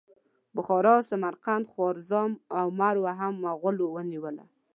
بخارا، سمرقند، خوارزم او مرو هم مغولو ونیول.